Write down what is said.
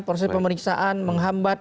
proses pemeriksaan menghambat